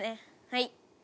はい。